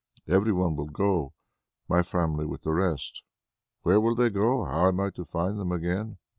Every one will go; my family with the rest. Where will they go? How am I to find them again?